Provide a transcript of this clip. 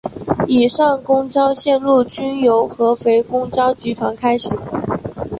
以上公交线路均由合肥公交集团开行。